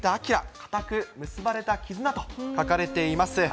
固く結ばれた絆と書かれています。